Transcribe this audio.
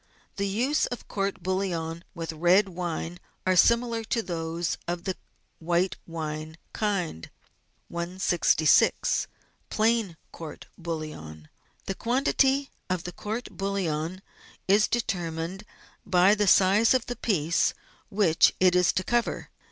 The uses of court bouillon with red wine are similar to those of the white wine kind. 166— PLAIN COURT BOUILLON The quantity of court bouillon is determined by the size of the piece which it is to cover.